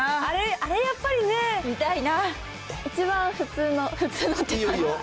あれ、やっぱりね、見たいな一番普通の、普通のっていうか。